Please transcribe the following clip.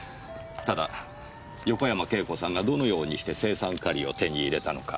ただ横山慶子さんがどのようにして青酸カリを手に入れたのか。